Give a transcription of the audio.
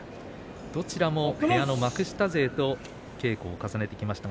どちらも部屋の幕下勢と稽古を重ねてきました。